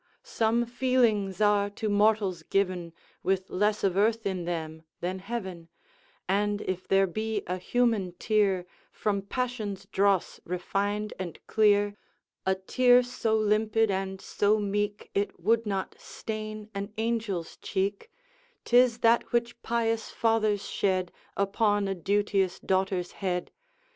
Some feelings are to mortals given With less of earth in them than heaven; And if there be a human tear From passion's dross refined and clear, A tear so limpid and so meek It would not stain an angel's cheek, 'Tis that which pious fathers shed Upon a duteous daughter's head!